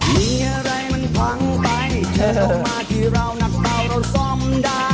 มีอะไรมันพ้องไปถึงต้องมาที่เราหนักเปล่าเราซ่อมได้